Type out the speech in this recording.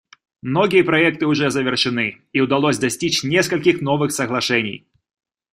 Многие проекты уже завершены, и удалось достичь нескольких новых соглашений.